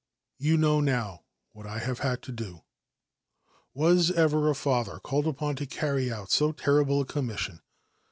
You know now what I h; had to do. Was ever a father called upon to carry out terrible a commission